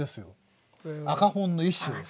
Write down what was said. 赤本の一種です。